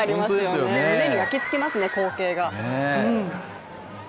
胸に焼き付きますね、光景が。